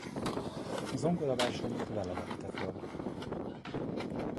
Zongoraversenyét vele vette föl.